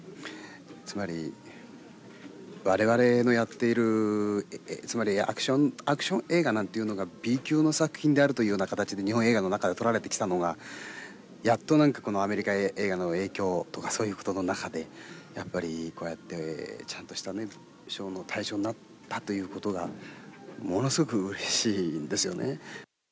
つまり、我々のやっているアクション映画なんていうのがＢ級の作品であるというような形で日本映画の中でとられてきたのがやっとアメリカ映画の影響とかそういうことの中でこうやって、ちゃんとした賞の対象になったということがものすごくうれしいんですよね。